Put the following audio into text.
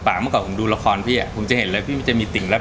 ปากเมื่อก่อนดูละครพี่จะเห็นเรื่องมีติ่งแรบ